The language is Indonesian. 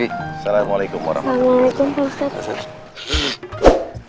assalamualaikum warahmatullahi wabarakatuh